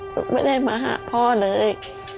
ไม่ได้มาหาพ่อเลย